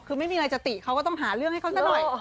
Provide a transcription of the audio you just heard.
คือไม่มีอะไรจะติเขาก็ต้องหาเรื่องให้เขาซะหน่อย